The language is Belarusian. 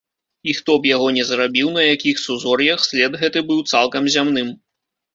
І хто б яго не зрабіў, на якіх сузор'ях, след гэты быў цалкам зямным.